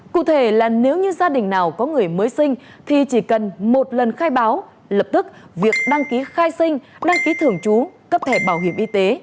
cụ thể là nếu như gia đình nào có người mới sinh thì chỉ cần một lần khai báo lập tức việc đăng ký khai sinh đăng ký thường trú cấp thẻ bảo hiểm y tế